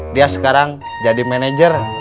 dia sekarang jadi manajer